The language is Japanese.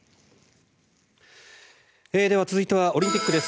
では、続いてはオリンピックです。